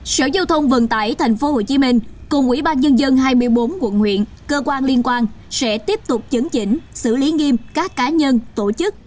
sở giao thông vận tải tp hcm cùng ủy ban nhân dân hai mươi bốn quận huyện cơ quan liên quan sẽ tiếp tục chấn chỉnh xử lý nghiêm các cá nhân tổ chức